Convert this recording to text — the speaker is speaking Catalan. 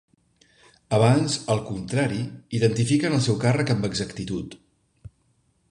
Abans, al contrari, identifiquen el seu càrrec amb exactitud.